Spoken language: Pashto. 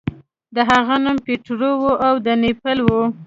د هغه نوم پیټرو و او د نیپل و.